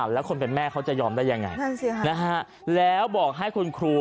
แล้วคนเป็นแม่เขาจะยอมได้ยังไงแล้วบอกให้คุณครู